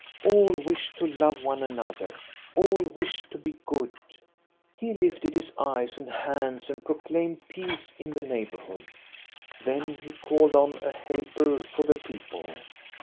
All wished to love one another; all wished to be good. " He lifted his eyes and hands and proclaimed peace in the neighborhood. Then he called on a helper for the people.